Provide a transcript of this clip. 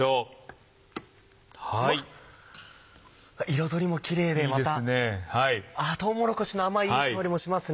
彩りもキレイでまたとうもろこしの甘いいい香りもしますね。